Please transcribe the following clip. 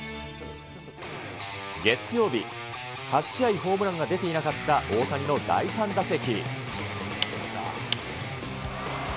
月曜日、８試合ホームランが出ていなかった大谷の第３打席。